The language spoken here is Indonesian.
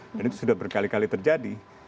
dan itu sudah berkali kali terjadi